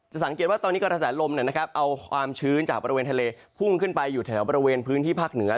สังเกตว่าตอนนี้กระแสลมเอาความชื้นจากบริเวณทะเลพุ่งขึ้นไปอยู่แถวบริเวณพื้นที่ภาคเหนือ